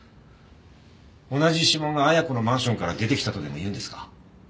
同じ指紋が綾子のマンションから出てきたとでも言うんですか？